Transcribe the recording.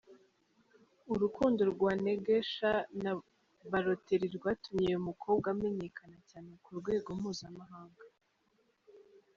Urukundo rwa Neguesha na Balotelli rwatumye uyu mukobwa amenyekana cyane ku rwego mpuzamahanga.